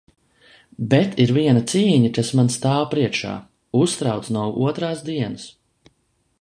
Bet ir viena cīņa, kas man stāv priekšā, uztrauc no otrās dienas.